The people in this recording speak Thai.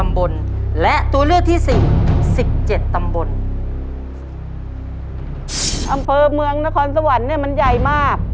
อำเภอเมืองนครสวรรค์มันใหญ่มาก